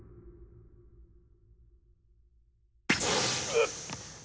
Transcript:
うっ！